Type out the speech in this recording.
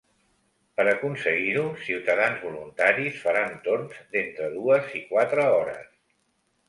Per aconseguir-ho, ciutadans voluntaris faran torns d’entre dues i quatre hores.